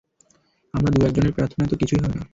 আমরা দু-একজনের প্রার্থনায় তো কিছু হবে না।